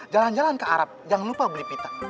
jalan jalan ke arab jangan lupa beli pita